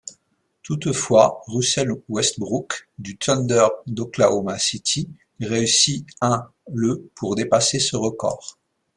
Toutefois Russell Westbrook du Thunder d'Oklahoma City réussit un le pour dépasser ce record.